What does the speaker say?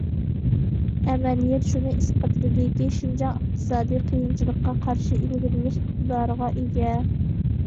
ئەمەلىيەت شۇنى ئىسپاتلىدىكى، شىنجاڭ ئىقتىسادى قىيىنچىلىققا قارشى ئىلگىرىلەش ئىقتىدارىغا ئىگە.